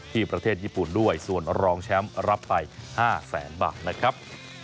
ที่ประเทศญี่ปุ่นด้วยส่วนรองแชมป์รับไป๕แสนบาทนะครับ